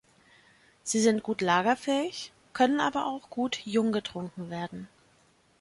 Sie sind gut lagerfähig, können aber auch gut jung getrunken werden.